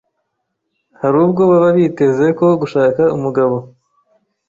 hari ubwo baba biteze ko gushaka umugabo